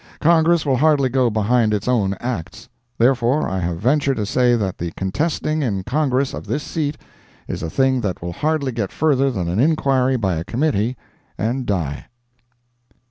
Congress will hardly go behind its own acts. Therefore, I have ventured to say that the contesting in Congress of this seat is a thing that will hardly get further than an inquiry by a committee and die.